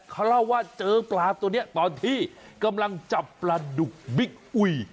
เขาเล่าว่าเจอปลาตัวนี้ตอนที่กำลังจับปลาดุกบิ๊กอุ๋ย